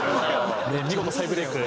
見事再ブレーク